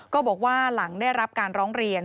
ก็บอกว่าหลังได้รับการร้องเรียน